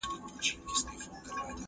ځینې لیکنې د خدایانو د چاپلوسۍ لپاره دي.